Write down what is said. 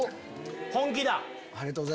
本気だ。